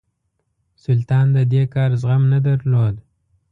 سلطان د دې کار زغم نه درلود.